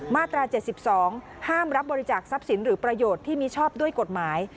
มาตรา๗๒ห้ามรับบริจาคทรัพย์สินหรือประโยชน์ที่มีชอบด้วยกฎหมาย